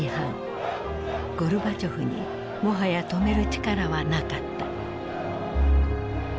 ゴルバチョフにもはや止める力はなかった。